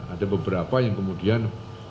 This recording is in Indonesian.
ada beberapa yang kemudian